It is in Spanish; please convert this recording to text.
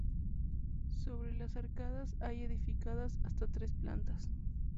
Sobre las arcadas hay edificadas hasta tres plantas.